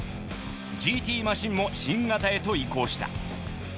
ＧＴマシンも新型へと移行した。